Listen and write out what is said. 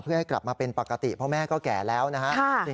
เพื่อให้กลับมาเป็นปกติเพราะแม่ก็แก่แล้วนะฮะ